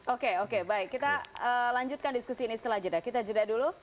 oke oke baik kita lanjutkan diskusi ini setelah jeda kita jeda dulu